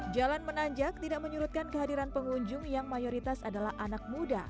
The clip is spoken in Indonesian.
jalan menanjak tidak menyurutkan kehadiran pengunjung yang mayoritas adalah anak muda